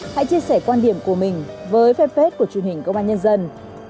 hãy chia sẻ quan điểm của mình với phép phết của truyền hình công an nhân dân